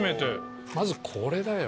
まずこれだよ。